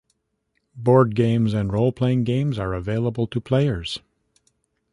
Board games and roleplaying games are available to players.